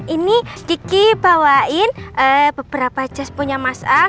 ini kiki bawain beberapa jas punya mas al